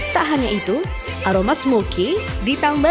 tak hanya itu aroma smokey ditambah